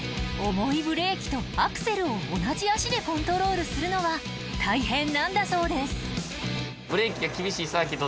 重いブレーキとアクセルを同じ足でコントロールするのは大変なんだそうです